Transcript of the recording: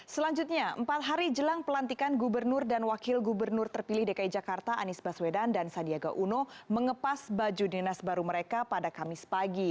selanjutnya empat hari jelang pelantikan gubernur dan wakil gubernur terpilih dki jakarta anies baswedan dan sandiaga uno mengepas baju dinas baru mereka pada kamis pagi